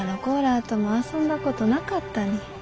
あとも遊んだことなかったに。